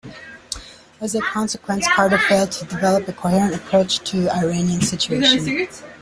As a consequence Carter failed to develop a coherent approach to the Iranian situation.